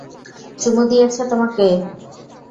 চুমু দিয়েছে তোকে।